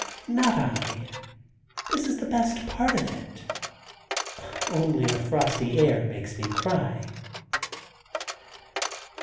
"Not I; this is the best part of it. Only the frosty air makes me cry."